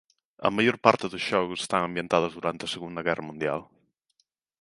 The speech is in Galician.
A maior parte dos xogos están ambientados durante a segunda guerra mundial.